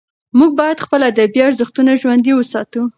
موږ باید خپل ادبي ارزښتونه ژوندي وساتو.